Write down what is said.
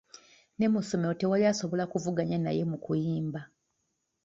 Ne mu ssomero tewali asobola kuvuganya naye mu kuyimba.